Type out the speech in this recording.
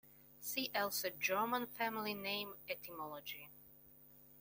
See also German family name etymology.